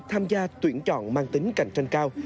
tham gia tuyển chọn mang tính cạnh tranh cao